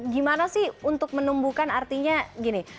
gimana sih untuk menumbuhkan artinya gini